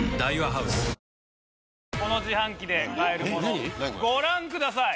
この自販機で買えるものご覧ください。